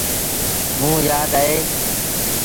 موݩ يآد اهي۔